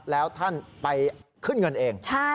แล้วท่านไปขึ้นเงินเอง